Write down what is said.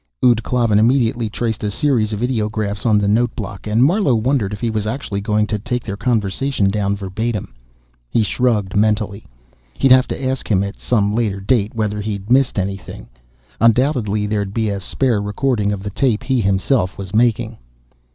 Ud Klavan immediately traced a series of ideographs on the note block, and Marlowe wondered if he was actually going to take their conversation down verbatim. He shrugged mentally. He'd have to ask him, at some later date, whether he'd missed anything. Undoubtedly, there'd be a spare recording of the tape he himself was making.